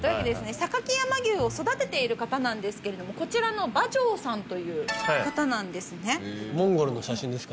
榊山牛を育てている方なんですけれどもこちらの馬上さんという方なんですねモンゴルの写真ですか？